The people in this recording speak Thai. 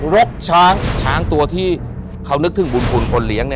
รกช้างช้างตัวที่เขานึกถึงบุญคุณคนเลี้ยง